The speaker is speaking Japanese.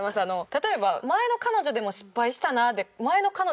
例えば「前の彼女でも失敗したな」で。